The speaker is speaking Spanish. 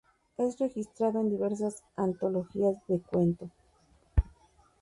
Es registrado en diversas antologías de Cuento.